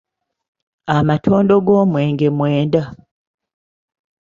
Amatondo g’omwenge mwenda.